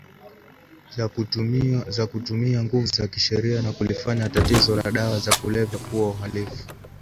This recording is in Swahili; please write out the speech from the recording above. za kutumia nguvu za kisheria na kulifanya tatizo la dawa za kulevya kuwa uhalifu